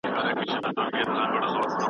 دروني ارامي په ژوند کي مهمه ده.